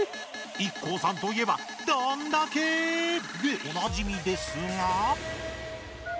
ＩＫＫＯさんといえば「どんだけ」でおなじみですが。